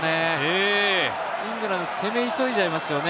イングランド、攻め急いじゃいますよね。